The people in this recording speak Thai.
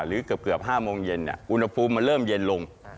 หรือเกือบ๕โมงเย็นอุณหภูมิมันเริ่มเย็นลง